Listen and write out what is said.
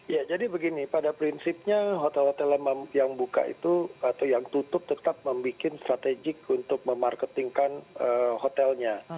ya jadi begini pada prinsipnya hotel hotel yang buka itu atau yang tutup tetap membuat strategik untuk memarketingkan hotelnya